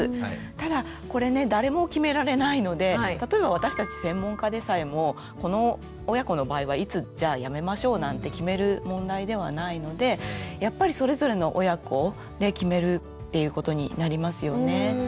ただこれね誰も決められないので例えば私たち専門家でさえもこの親子の場合はいつじゃあやめましょうなんて決める問題ではないのでやっぱりそれぞれの親子で決めるっていうことになりますよね。